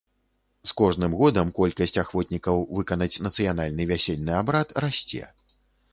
З кожным годам колькасць ахвотнікаў выканаць нацыянальны вясельны абрад расце.